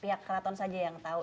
pihak keraton saja yang tahu